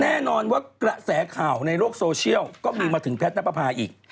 แน่นอนว่ากระแสข่าวในโลกโซเชียลก็มีมาถึงแพทย์นับประพาอีก